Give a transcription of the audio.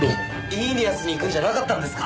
イーニアスに行くんじゃなかったんですか？